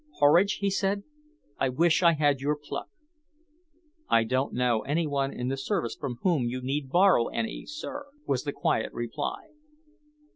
"Horridge," he said, "I wish I had your pluck." "I don't know any one in the service from whom you need borrow any, sir," was the quiet reply.